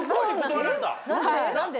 何で？